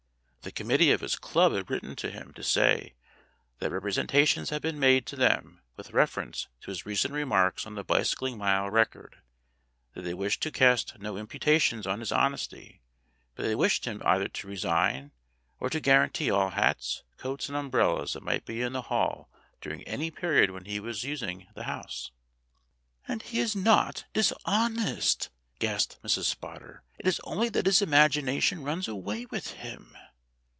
The committee of his club had written to him to say that representations had been made to them with reference to his recent remarks on the bicycling mile record; that they wished to cast no imputations on his honesty, but they wished him either to resign or to guarantee all hats, coats, and umbrellas that might be in the hall during any period when he was using the house. "And he is not dishonest," gasped Mrs. Spotter. "It is only that his imagination runs away with him."